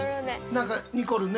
何かにこるんね